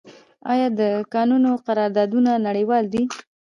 آیا د کانونو قراردادونه نړیوال دي؟